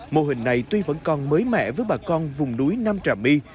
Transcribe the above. mô hình này tuy vẫn còn mới mẻ với bà con vùng núi nam trà my